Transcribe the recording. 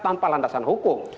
tanpa landasan hukum